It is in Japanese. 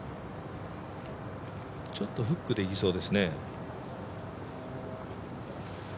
ちょっとフックでいきそうですね。